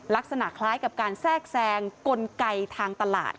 ลักษณะคล้ายกับการแทรกแซงกลไกทางตลาด